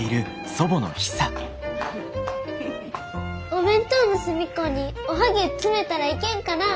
お弁当の隅っこにおはぎゅう詰めたらいけんかなあ。